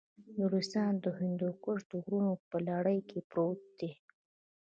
نورستان د هندوکش د غرونو په لړۍ کې پروت دی.